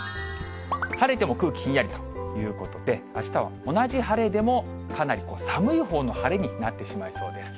晴れても空気ひんやりということで、あしたは同じ晴れでも、かなり寒いほうの晴れになってしまいそうです。